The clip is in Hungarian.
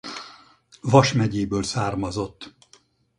Vas megyéből származott.